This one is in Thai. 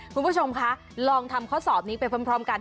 คุณผู้ชมคะลองทำข้อสอบนี้ไปพร้อมกัน